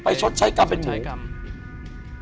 ไปชดใช้กรรมเป็นหมู